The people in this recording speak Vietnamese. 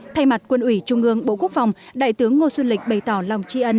thay mặt quân ủy trung ương bộ quốc phòng đại tướng ngô xuân lịch bày tỏ lòng tri ân